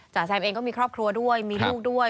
จแซมเองก็มีครอบครัวด้วยมีลูกด้วย